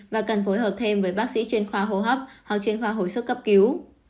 và cần phối hợp thêm với bác sĩ chuyên khoa hô hấp hoặc chuyên khoa hồi sức cấp cứu